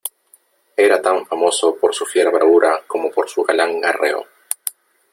era tan famoso por su fiera bravura como por su galán arreo .